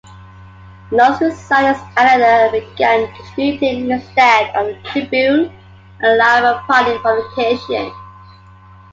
Lawrence resigned as editor and began contributing instead to "Tribune", a Labour Party publication.